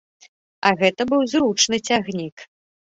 А гэта быў зручны цягнік.